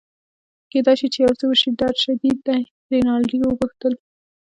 کیدای شي چي یو څه وشي، درد شدید دی؟ رینالډي وپوښتل.